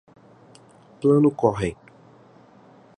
Plano Cohen